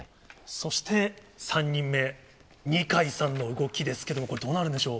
そして３人目、二階さんの動きですけれども、これ、どうなるんでしょう。